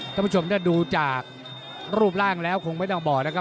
ท่านผู้ชมถ้าดูจากรูปร่างแล้วคงไม่ต้องบอกนะครับ